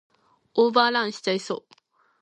オーバーランしちゃいそう